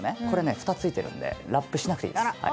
これねフタ付いてるんでラップしなくていいです。